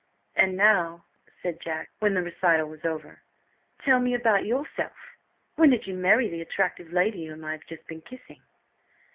"And now," said Jack, when the recital was over, "tell me about yourself. When did you marry the attractive lady whom I have just been kissing?"